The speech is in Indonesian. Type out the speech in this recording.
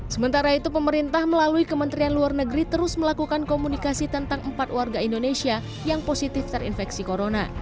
sementara itu pemerintah melalui kementerian luar negeri terus melakukan komunikasi tentang empat warga indonesia yang positif terinfeksi corona